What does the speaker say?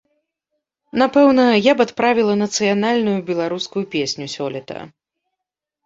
Напэўна, я б адправіла нацыянальную беларускую песню сёлета.